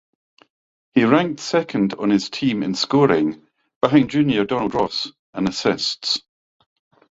He ranked second on his team in scoring (behind junior Donald Ross) and assists.